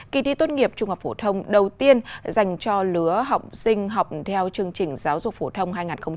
kỳ thi tốt nghiệp trung học phổ thông đầu tiên dành cho lứa học sinh học theo chương trình giáo dục phổ thông hai nghìn hai mươi